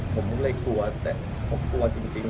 ผมก็เลยกลัวแต่ผมกลัวจริงครับ